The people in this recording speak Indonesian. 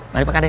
mari pak kades